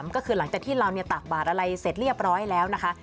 ก็คือหลังจากที่เราตากบาดอะไรเสร็จเรียบร้อยแล้วนะคะ